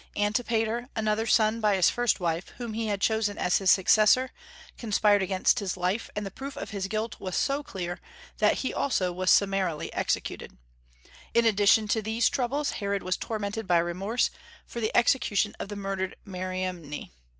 Antipater, another son, by his first wife, whom he had chosen as his successor, conspired against his life, and the proof of his guilt was so clear that he also was summarily executed. In addition to these troubles Herod was tormented by remorse for the execution of the murdered Mariamne.